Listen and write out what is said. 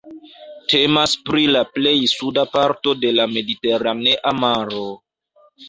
Temas pri la plej suda parto de la Mediteranea Maro.